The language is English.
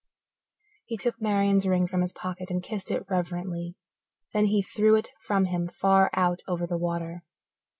He took Marian's ring from his pocket and kissed it reverently. Then he threw it from him far out over the water.